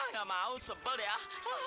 gak mau sebel deh